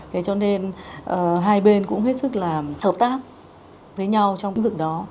thế cho nên hai bên cũng hết sức làm hợp tác với nhau trong cái vực đó